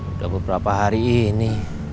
udah beberapa hari ini